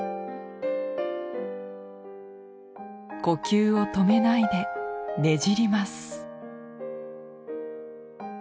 呼吸を止めないでねじります。